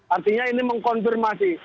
artinya ini mengkonfirmasi